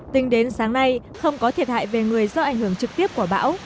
tính đến sáng nay không có thiệt hại về người do ảnh hưởng trực tiếp của bão